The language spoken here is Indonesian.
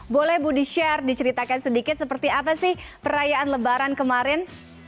boleh bu di share diceritakan sedikit seperti apa sih perayaan lebaran kemarin